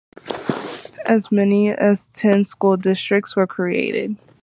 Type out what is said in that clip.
As many as ten school districts were created.